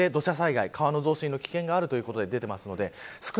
これはこれまでの大雨で土砂災害、川の増水の危険があるということで出ています。